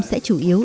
sẽ chủ yếu